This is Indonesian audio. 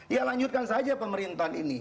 ya lanjutkan saja pemerintahan ini